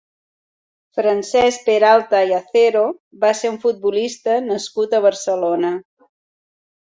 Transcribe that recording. Francesc Peralta i Acero va ser un futbolista nascut a Barcelona.